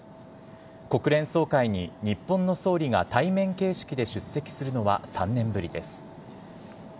国連総会に日本の総理が対面形式で出席するのは３年ぶりです。